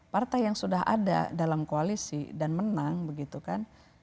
partai yang sudah ada dalam koalisi dan menang begitu kan